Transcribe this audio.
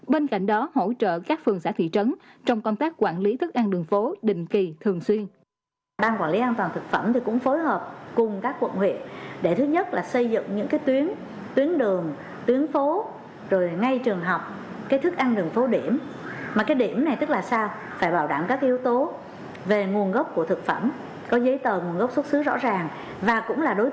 bên cạnh đó hỗ trợ các phường xã thị trấn trong công tác quản lý thức ăn đường phố đình kỳ thường xuyên